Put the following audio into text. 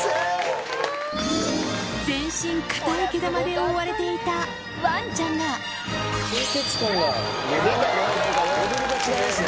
全身硬い毛玉で覆われていたワンちゃんがレベルが違いますね。